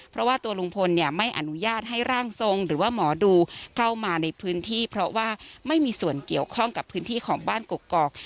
เพราะว่าตัวลุงพลเนี่ยไม่อนุญาตให้ร่างทรงหรือว่าหมอดูเข้ามาในพื้นที่เพราะว่าไม่มีส่วนเกี่ยวข้องกับพื้นที่ของบ้านกกอก